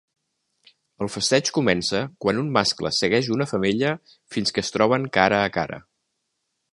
El festeig comença quan un mascle segueix una femella fins que es troben cara a cara.